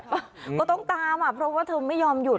ก็ต้องตามอ่ะเพราะว่าเธอไม่ยอมหยุด